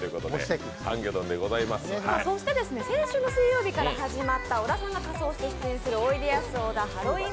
そして先週の水曜日から始まった小田さんが参加しているおいでやす小田ハロウィーン